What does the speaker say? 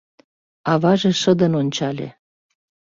Аваже шыдын ончале.